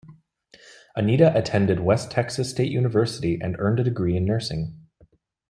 Anita attended West Texas State University and earned a degree in nursing.